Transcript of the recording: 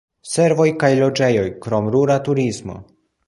Servoj kaj loĝejoj, krom rura turismo.